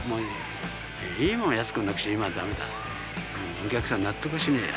お客さん納得しねえや。